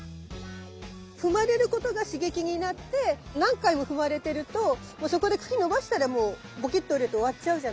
踏まれることが刺激になって何回も踏まれてるとそこで茎伸ばしたらもうボキッと折れて終わっちゃうじゃない？